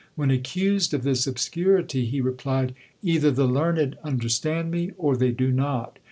When accused of this obscurity, he replied, "Either the learned understand me, or they do not.